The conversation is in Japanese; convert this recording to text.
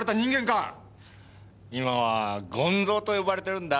今はゴンゾウと呼ばれてるんだ